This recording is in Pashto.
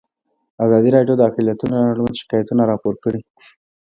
ازادي راډیو د اقلیتونه اړوند شکایتونه راپور کړي.